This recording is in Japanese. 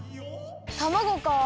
たまごかあ。